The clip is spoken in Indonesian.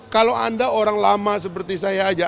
kalau anda orang lama seperti saya aja